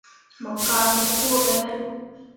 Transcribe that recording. Mo kah mo foo ɓe ne.